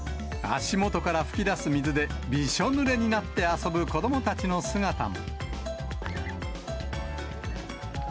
足元から噴き出す水でびしょぬれになって遊ぶ子どもたちの姿も。